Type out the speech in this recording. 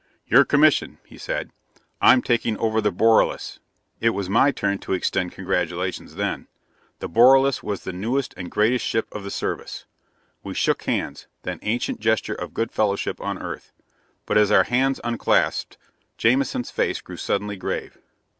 "Your commission," he said. "I'm taking over the Borelis." It was my turn to extend congratulations then; the Borelis was the newest and greatest ship of the Service. We shook hands, that ancient gesture of good fellowship on Earth. But, as our hands unclasped, Jamison's face grew suddenly grave.